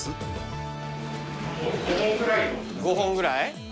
５本ぐらい？